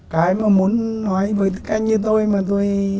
cái mà muốn nói với các anh như tôi mà tôi